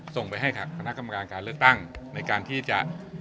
ส่งไปให้คณะกรรมการการเลือกตั้งในการที่จะ